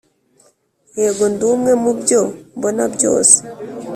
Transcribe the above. yego, ndi umwe mubyo mbona byose,